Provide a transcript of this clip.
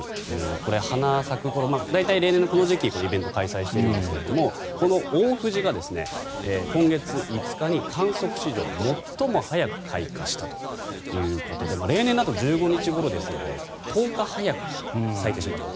これ、花が咲く頃大体、例年のこの時期イベント、開催しているんですがこの大藤が今月５日、観測史上最も早く開花したということで例年だと１５日ごろですので１０日早く咲いてしまったと。